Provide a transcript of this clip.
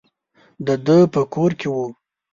د ده په کور کې وو.